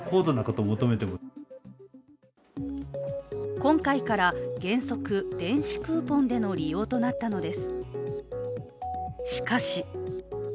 今回から原則電子クーポンでの利用となったのです。